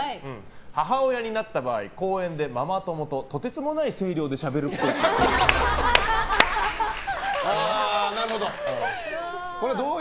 母親になった場合公園でママ友ととてつもない声量でしゃべるっぽい。